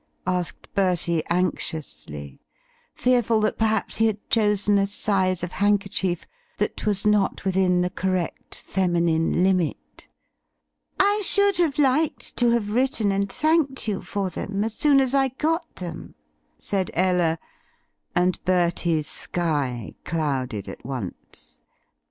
asked Bertie anxiously, fearful that perhaps he had chosen a size of handkerchief that was not within the correct feminine limit. "I should have liked to have written and thanked you for them as soon as I got them," said Ella, and Bertie's sky clouded at once.